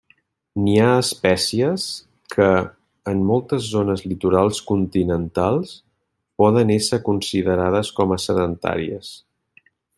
N'hi ha espècies que, en moltes zones litorals continentals, poden ésser considerades com a sedentàries.